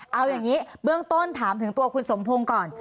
เอาอย่างนี้เบื้องต้นถามถึงตัวคุณสมพงศ์ก่อน